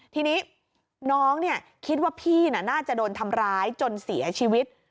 ทีนี้น้องคิดว่าพี่น่าจะโดนทำร้ายจนเสียชีวิต